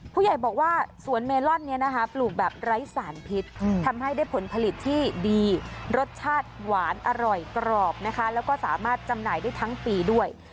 ผู้ใหญ่บอกว่าสวนเมลอนนี้นะคะปลูกแบบไร้สารพิษทำให้ได้ผลผลิตที่ดีรสชาติหวานอร่อยกรอบนะคะแล้วก็สามารถจำหน่ายได้ทั้งปีด้วย